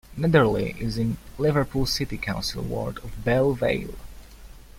Netherley is in Liverpool City Council ward of Belle Vale.